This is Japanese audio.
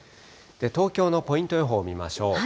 東京のポイント予報を見ましょう。